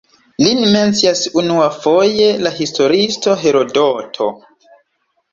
Lin mencias unuafoje la historiisto Herodoto.